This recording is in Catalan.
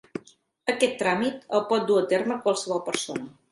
Aquest tràmit el pot dur a terme qualsevol persona.